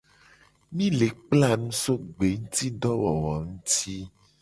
Mu le kpla nu so gbengutidowowo nguti.